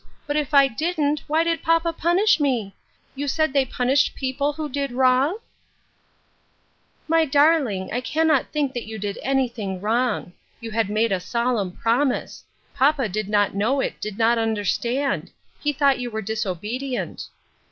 But if I didn't, why did papa punish me ? You said they punished people who did wrong ?"" My darling, I cannot think that you did any thing wrong. You had made a solemn promise. Papa did not know it ; did not understand ; he thought you were disobedient."